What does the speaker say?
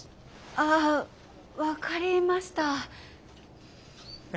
あ分かりました。